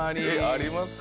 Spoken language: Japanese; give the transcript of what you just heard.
ありますか？